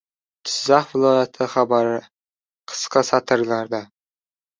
Jizzax viloyati xabarari – qisqa satrlarda